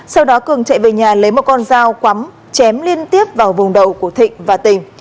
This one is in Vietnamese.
sau đó cường chạy về nhà lấy một con dao quắm chém liên tiếp vào vùng đầu của thịnh và tình